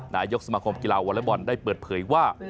นายกสมาคมกีฬาวอเล็กบอลได้เปิดเผยว่า